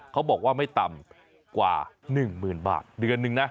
เขาบอกว่าไม่ต่ำกว่า๑หมื่นบาทเดือนนึงนะ